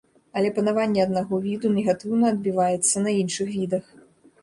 Але панаванне аднаго віду негатыўна адбіваецца на іншых відах.